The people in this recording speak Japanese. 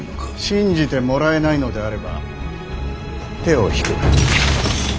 信じてもらえないのであれば手を引く。